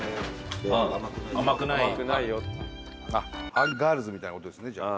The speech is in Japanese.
アンガールズみたいな事ですねじゃあ。